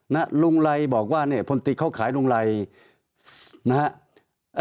นะฮะลุงไลบอกว่าเนี่ยพลตีเขาขายลุงไลนะฮะ